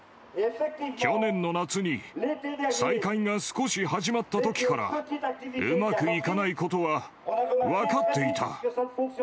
去年の夏に再開が少し始まったときから、うまくいかないことは分かっていた。